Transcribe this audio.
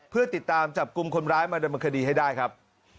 เพื่อติดตามจับกลุ่มคนร้ายมาดำเนินคดีให้ได้ครับ